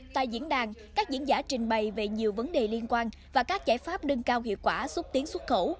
tại diễn đàn các diễn giả trình bày về nhiều vấn đề liên quan và các giải pháp nâng cao hiệu quả xúc tiến xuất khẩu